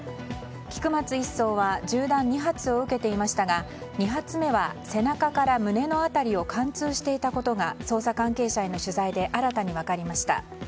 菊松１曹は銃弾２発を受けていましたが２発目は背中から胸の辺りを貫通していたことが捜査関係者への取材で新たに分かりました。